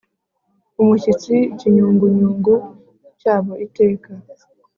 umushyitsi ikiyunguyungu cyabo iteka